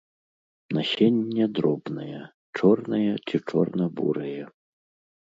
Насенне дробнае, чорнае ці чорна-бурае.